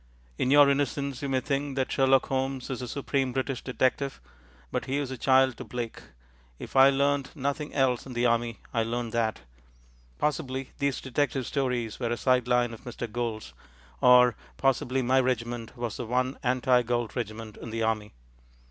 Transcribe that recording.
In your innocence you may think that Sherlock Holmes is the supreme British detective, but he is a child to Blake. If I learnt nothing else in the Army, I learnt that. Possibly these detective stories were a side line of Mr. Gould's, or possibly my regiment was the one anti Gould regiment in the Army.